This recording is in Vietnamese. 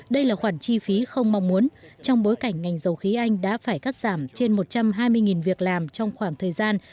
đây là khoản chi phí không mong muốn trong bối cảnh ngành dầu khí anh đã phải cắt giảm trên một trăm hai mươi việc làm trong khoảng thời gian